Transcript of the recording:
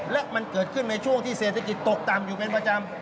และมันเกิดขึ้นในช่วงที่เศรษฐกิจตกต่ำอยู่เป็นประจำ